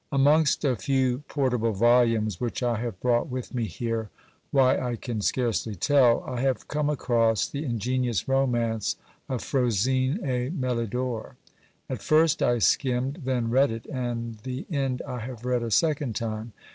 Amongst a few portable volumes which I have brought with me here, why I can scarcely tell, I have come across the ingenious romance of Phrosine et Melidor. At first I skimmed, then read it, and the end I have read a second time.